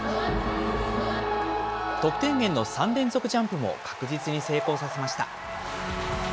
得点源の３連続ジャンプも確実に成功させました。